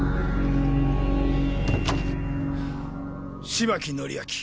芝木倫明。